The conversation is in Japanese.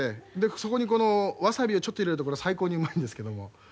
そこにワサビをちょっと入れると最高にうまいんですけども。